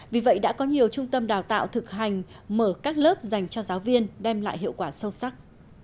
vì vậy đã có nhiều trung tâm đào tạo thực hành mở các lớp dành cho giáo viên đem lại hiệu quả sâu sắc